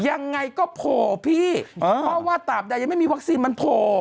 ยังไงก็โผล่พี่เพราะว่าตาบใดยังไม่มีวัคซีนมันโผล่